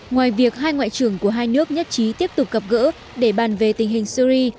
ngoài việc hai ngoại trưởng của hai nước nhất trí tiếp tục gặp gỡ để bàn về tình hình syri